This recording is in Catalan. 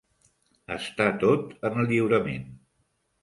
Està tot en el lliurament.